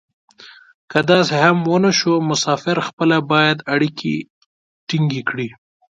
که داسې هم و نه شو مسافر خپله باید اړیکې ټینګې کړي.